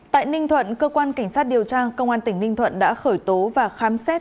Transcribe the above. tại ninh thuận cơ quan cảnh sát điều tra công an tỉnh ninh thuận đã khởi tố và khám xét